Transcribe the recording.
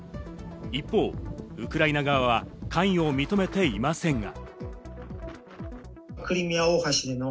一方、ウクライナ側は関与を認めていませんが。